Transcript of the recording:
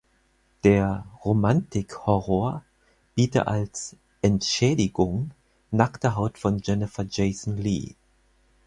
Der "„Romantik-Horror“" biete als "„Entschädigung“" nackte Haut von Jennifer Jason Leigh.